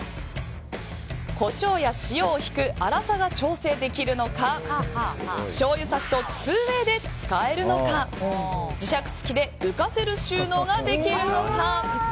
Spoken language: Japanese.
コショウや塩をひく粗さが調整できるのかしょうゆさしと２ウェーで使えるのか磁石付きで浮かせる収納ができるのか。